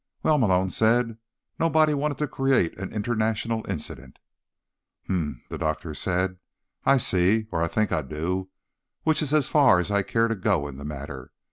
"Well," Malone said, "nobody wanted to create an international incident." "Hmf," the doctor said. "I see. Or I think I do, which is as far as I care to go in the matter.